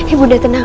ibu anda tenang